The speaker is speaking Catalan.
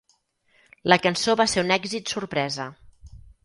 La cançó va ser un èxit sorpresa.